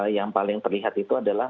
yang paling terlihat itu adalah